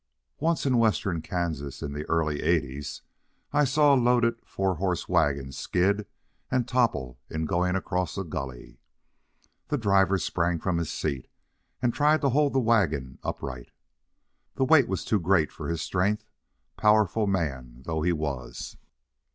Once in Western Kansas, in the early Eighties, I saw a loaded four horse wagon skid and topple in going across a gully. The driver sprang from his seat and tried to hold the wagon upright. The weight was too great for his strength, powerful man though he was.